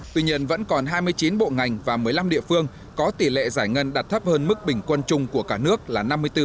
tuy nhiên vẫn còn hai mươi chín bộ ngành và một mươi năm địa phương có tỷ lệ giải ngân đạt thấp hơn mức bình quân chung của cả nước là năm mươi bốn